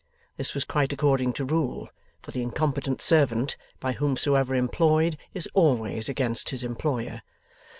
This was quite according to rule, for the incompetent servant, by whomsoever employed, is always against his employer.